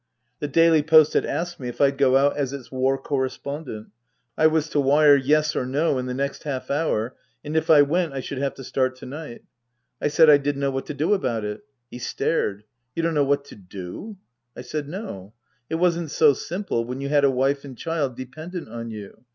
The Daily Post had asked me if I'd go out as its War Correspondent. I was to wire ' Yes " or " No " in the next half hour, and if I went I should have to start to night. I said I didn't know what to do about it. He stared. " You don't know what to do ?" I said, No. It wasn't so simple when you had a wife and child dependent on you.